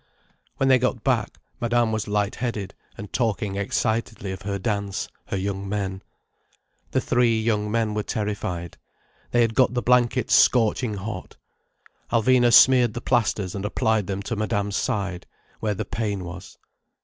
When they got back, Madame was light headed, and talking excitedly of her dance, her young men. The three young men were terrified. They had got the blankets scorching hot. Alvina smeared the plasters and applied them to Madame's side, where the pain was.